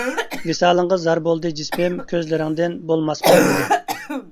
ۋىسالىڭغا زار بولدى جىسمىم، كۆزلىرىڭدىن بولماسمەن نېرى.